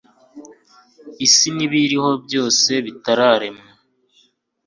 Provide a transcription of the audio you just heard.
isi n'ibiyiriho byose bitararemwa